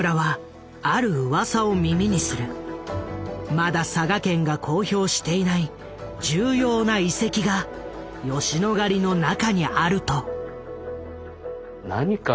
まだ佐賀県が公表していない重要な遺跡が吉野ヶ里の中にあると。